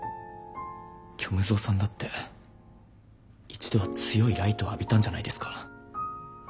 虚無蔵さんだって一度は強いライトを浴びたんじゃないですか。